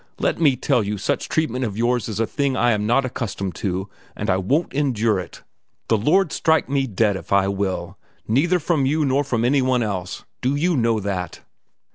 Let me tell you such treatment as yours is a thing I am not accustomed to, and I won't endure it, the Lord strike me dead if I will neither from you nor any one else, do you know that?"